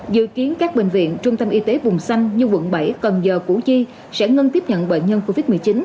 dự kiến các bệnh viện trung tâm y tế vùng xanh như quận bảy cần giờ củ chi sẽ ngưng tiếp nhận bệnh nhân covid một mươi chín